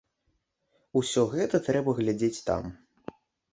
Усё гэта трэба глядзець там.